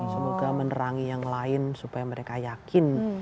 semoga menerangi yang lain supaya mereka yakin